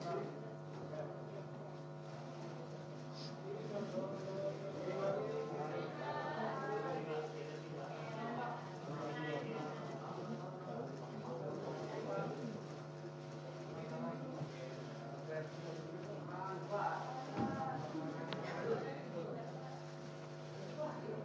atau bersebut melepaskan diri